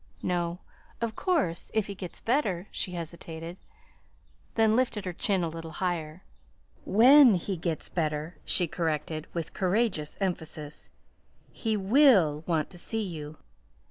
"No. Of course, if he gets better " She hesitated; then lifted her chin a little higher; "WHEN he gets better," she corrected with courageous emphasis, "he will want to see you."